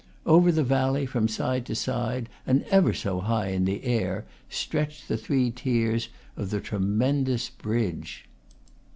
Over the valley, from side to side, and ever so high in the air, stretch the three tiers of the tremendous bridge.